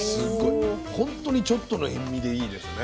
本当にちょっとの塩みでいいですね。